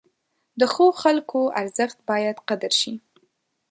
د ښو خلکو ارزښت باید قدر شي.